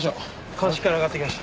鑑識から上がってきました。